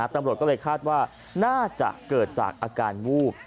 ตำรวจก็เลยคาดว่าน่าจะเกิดจากอาการวูบ